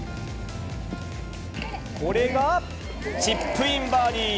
これがチップインバーディー。